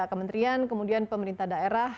kementerian kemudian pemerintah daerah